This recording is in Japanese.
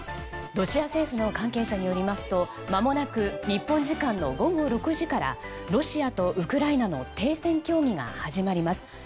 ロシア政府の関係者によりますとまもなく日本時間の午後６時からロシアとウクライナの停戦協議が始まります。